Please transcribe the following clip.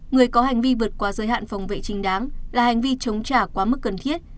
người có hành vi vượt qua giới hạn phòng vệ trình đáng là hành vi chống trả quá mức cần thiết